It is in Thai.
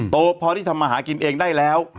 โตพอที่ทำมาหากินเองได้แล้ว